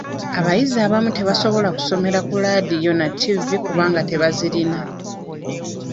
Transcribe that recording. Abayizi abamu tebasobola kusomera ku ladiyo na ttivvi kubanga tebazirina.